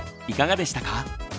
いかがでしたか？